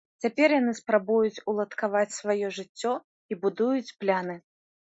Цяпер яны спрабуюць уладкаваць сваё жыццё і будуюць планы.